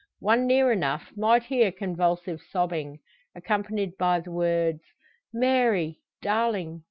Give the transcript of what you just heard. One near enough might hear convulsive sobbing, accompanied by the words: "Mary, darling!